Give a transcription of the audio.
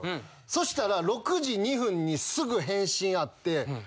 そしたら６時２分にすぐ返信あって。